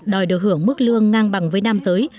đòi được hưởng mức lương ngang bằng với nam giới